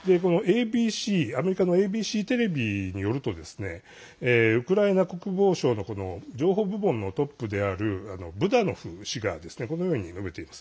アメリカのＡＢＣテレビによるとウクライナ国防省の情報部門のトップであるブダノフ氏がこのように述べています。